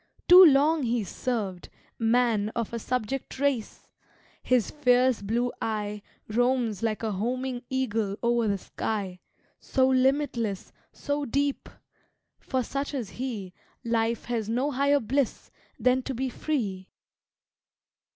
Too long he served, Man of a subject race! His fierce, blue eye Roams like a homing eagle o'er the sky, So limitless, so deep! for such as he Life has no higher bliss than to be free.